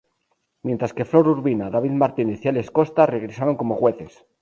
Mientras que Flor Urbina, David Martínez y Alex Costa regresaron como jueces.